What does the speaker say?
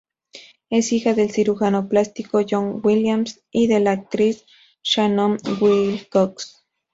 Es hija del cirujano plástico John Williams y de la actriz Shannon Wilcox.